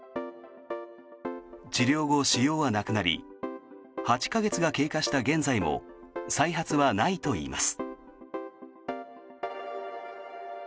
治療後、主要はなくなり８か月が経過した現在も再発はないといいます。